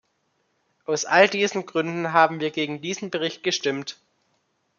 Aus all diesen Gründen haben wir gegen diesen Bericht gestimmt.